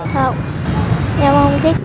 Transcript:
không em không thích